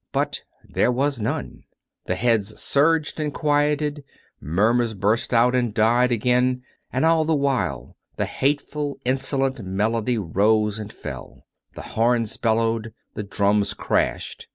But there was none. The heads surged and quieted; murmurs burst out and died 358 COME RACK! COME ROPE! again; and all the while the hateful, insolent melody rose and fell; the horns bellowed; the drums crashed.